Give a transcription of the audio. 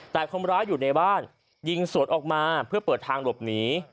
แต่คนร้ายอยู่ในบ้านยิงสวนออกมาเพื่อเปิดทางหลบหนี